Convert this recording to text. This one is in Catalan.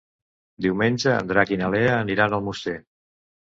Diumenge en Drac i na Lea aniran a Almoster.